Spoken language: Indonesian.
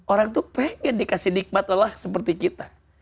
orang tuh pengen dikasih nikmat lelah seperti kita